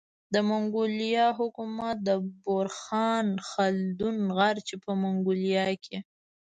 د منګولیا حکومت د بورخان خلدون غر چي په منګولیا کي